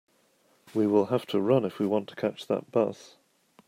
We will have to run if we want to catch that bus.